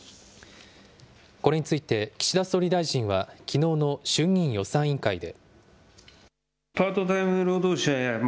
これについて岸田総理大臣は、きのうの衆議院予算委員会で。